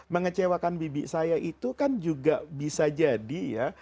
mengecewakan bibi saya itu kan juga bisa jadi ya